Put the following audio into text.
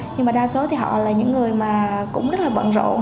nhưng mà đa số thì họ là những người mà cũng rất là bận rộn